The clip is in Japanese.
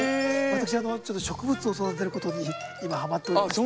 私ちょっと植物を育てることに今ハマっておりまして。